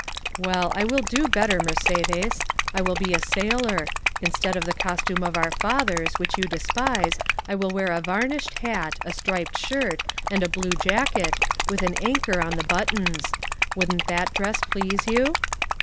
"Well, I will do better, Mercédès. I will be a sailor; instead of the costume of our fathers, which you despise, I will wear a varnished hat, a striped shirt, and a blue jacket, with an anchor on the buttons. Would not that dress please you?"